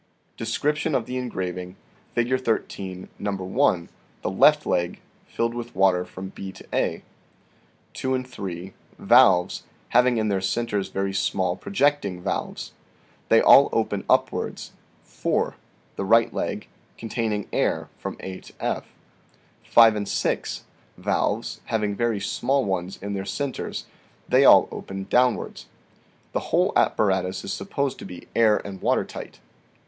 DESCRIPTION OF THE ENGRAVING, FIG. 13. No. i, the left leg, filled with water from B to A. 2 and 3, valves, having in their centers very small projecting valves ; they all open upwards. 4, the right leg, containing air from A to F. 5 and 6, valves, having very small ones in their centers; they all open downwards. The whole apparatus is supposed to be air and water tight.